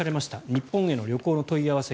日本への旅行の問い合わせ